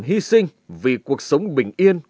hy sinh vì cuộc sống bình yên